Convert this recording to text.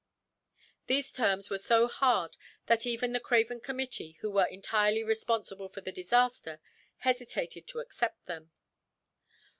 These terms were so hard that even the craven committee, who were entirely responsible for the disaster, hesitated to accept them.